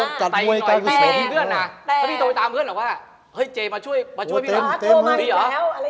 พี่บ๊าสกาศสวงศ์ทีมรัฐสามารถสามารถละลายได้มอบไว้เป็นนี้แหละครับ